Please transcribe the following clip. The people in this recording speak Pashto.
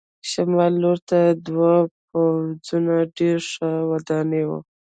شمال لور ته دوه پوړیزه ډېره ښه ودانۍ وه.